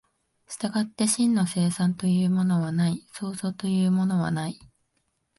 従って真の生産というものはない、創造というものはない。